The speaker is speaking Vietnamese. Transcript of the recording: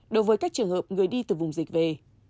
đối với các trường hợp người đi từ vùng dịch về